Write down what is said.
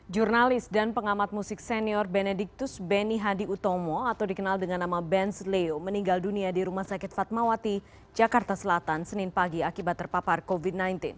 jurnalis dan pengamat musik senior benediktus beni hadi utomo atau dikenal dengan nama benz leo meninggal dunia di rumah sakit fatmawati jakarta selatan senin pagi akibat terpapar covid sembilan belas